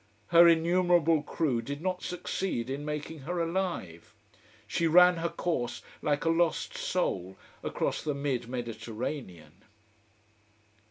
Her innumerable crew did not succeed in making her alive. She ran her course like a lost soul across the Mid Mediterranean.